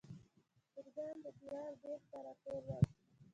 چرګان د دیواله بیخ ته راټول ول.